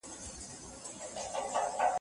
د پورته خبرو اهمیت په عملي کار کي دئ.